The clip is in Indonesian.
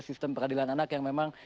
sistem peradilan anak yang memang